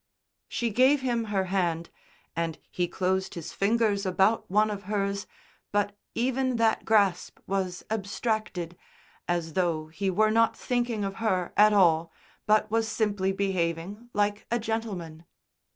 She gave him her hand, and he closed his fingers about one of hers; but even that grasp was abstracted, as though he were not thinking of her at all, but was simply behaving like a gentleman.